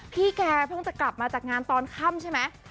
พี่แกเพิ่งจะกลับมาจากงานตอนค่ำใช่ไหม